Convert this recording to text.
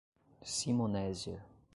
Simonésia